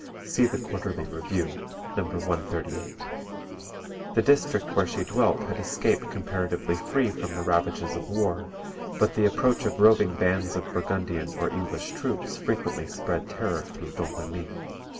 (See the Quarterly Review, No. 138.)] The district where she dwelt had escaped comparatively free from the ravages of war, but the approach of roving bands of Burgundian or English troops frequently spread terror through Domremy.